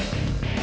oh mbak be